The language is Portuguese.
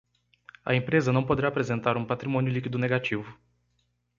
A empresa não poderá apresentar um patrimônio líquido negativo.